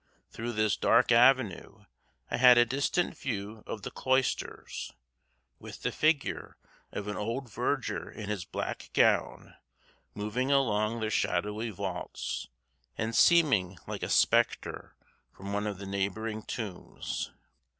Through this dark avenue I had a distant view of the cloisters, with the figure of an old verger in his black gown moving along their shadowy vaults, and seeming like a spectre from one of the neighboring tombs.